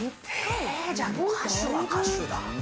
じゃあ、歌手は歌手だ。